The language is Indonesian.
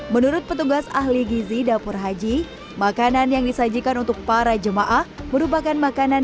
menurut petugas ahli gizi dapur haji makanan yang disajikan untuk para jemaah merupakan makanan